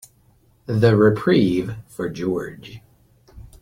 The reprieve for George.